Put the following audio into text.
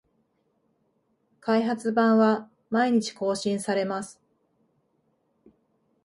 開発版は毎日更新されます